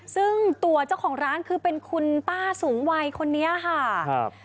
ซึ่งตัวเจ้าของร้านคือเป็นคุณป้าสูงวัยคนนี้ค่ะครับ